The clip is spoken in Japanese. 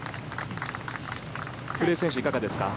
古江選手、いかがですか？